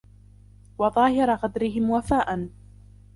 وَظَاهِرَ غَدْرِهِمْ وَفَاءً